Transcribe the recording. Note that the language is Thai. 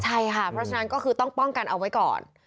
ใช่ค่ะเพราะฉะนั้นก็คือต้องป้องกันเอาไว้ก่อน